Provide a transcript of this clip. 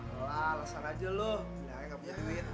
malah lasar aja lu bilangnya ga punya duit